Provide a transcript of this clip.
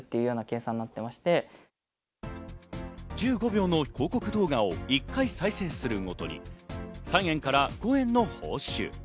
１５秒の広告動画を１回再生するごとに、３円から５円の報酬。